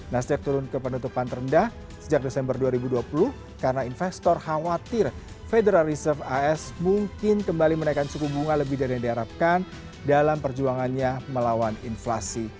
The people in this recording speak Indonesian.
nasdem turun ke penutupan terendah sejak desember dua ribu dua puluh karena investor khawatir federal reserve as mungkin kembali menaikkan suku bunga lebih dari yang diharapkan dalam perjuangannya melawan inflasi